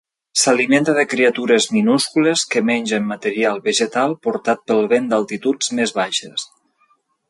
S'alimenta de criatures minúscules que mengen material vegetal portat pel vent d'altituds més baixes.